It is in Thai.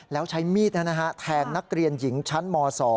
แล้วใช้มีดแทงนักเรียนหญิงชั้นม๒